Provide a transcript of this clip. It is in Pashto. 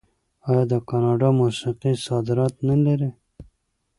آیا د کاناډا موسیقي صادرات نلري؟